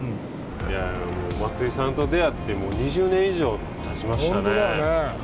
松井さんと出会って、もう２０年以上たちましたね。